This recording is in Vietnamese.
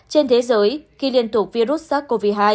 trên thế giới khi liên tục virus sars cov hai